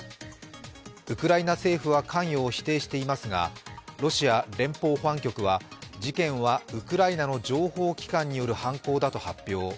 ウクライナ政府は関与を否定していますが、ロシア連邦保安局は事件はウクライナの情報機関による犯行だと発表。